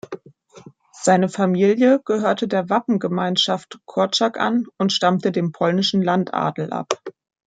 Seine Familie gehörte der Wappengemeinschaft Korczak an und stammte dem polnischen Landadel ab.